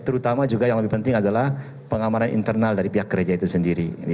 terutama juga yang lebih penting adalah pengamanan internal dari pihak gereja itu sendiri